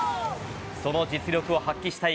その実力を発揮したい